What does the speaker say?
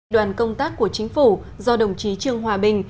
đoàn công tác của chính phủ do đồng chí trương hòa bình